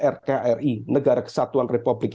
rkri negara kesatuan republik